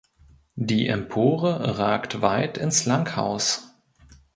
Die Empore ragt weit ins Langhaus.